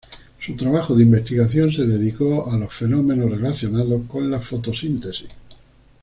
Su trabajo de investigación se dedicó a los fenómenos relacionados con la fotosíntesis.